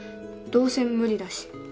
どうせ無理だし。